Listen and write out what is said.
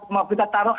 mau kita taruh